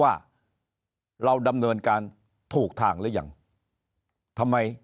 ว่าเราดำเนินการถูกทางหรือยังทำไม